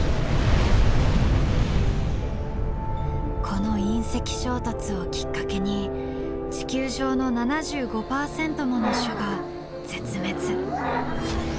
この隕石衝突をきっかけに地球上の７５％もの種が絶滅。